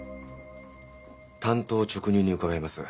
単刀直入に伺います。